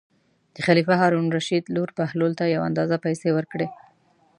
د خلیفه هارون الرشید لور بهلول ته یو اندازه پېسې ورکړې.